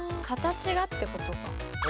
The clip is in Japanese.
形がってことか。